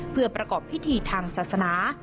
เพื่อประกอบพิธีทางศาสนา